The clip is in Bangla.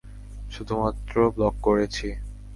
শুধুমাত্র ব্লক করেছি।